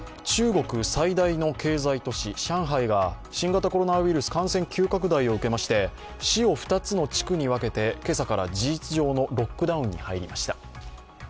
中国最大の経済都市、上海が新型コロナウイルス感染急拡大を受けまして市を２つの地区に分けて今朝から、事実上のロックダウンに入りました。